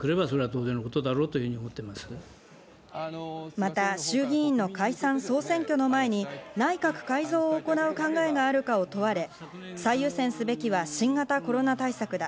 また衆議院の解散・総選挙の前に内閣改造を行う考えがあるかを問われ最優先すべきは新型コロナ対策だ。